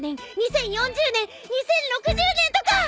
２０３０年２０４０年２０６０年とか！